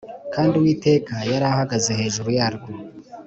Kandi Uwiteka yari ahagaze hejuru yarwo